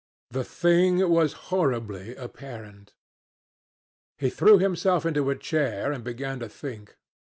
The thing was horribly apparent. He threw himself into a chair and began to think.